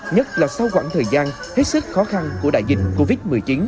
nhất là sau quãng thời gian hết sức khó khăn của đại dịch covid một mươi chín